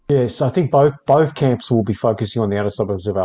yang biasanya berada di kota kota kapital besar